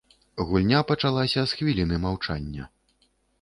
Гульня пачалася з хвіліны маўчання.